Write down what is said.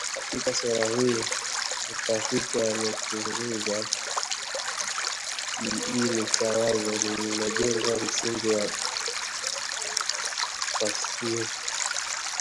Katika sura hii mtafiti amechunguza kiini cha wazo lililojenga msingi wa tasnifu